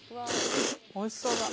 おいしそうだ。